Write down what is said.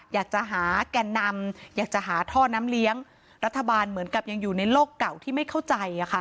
อยากจะหาแก่นำอยากจะหาท่อน้ำเลี้ยงรัฐบาลเหมือนกับยังอยู่ในโลกเก่าที่ไม่เข้าใจ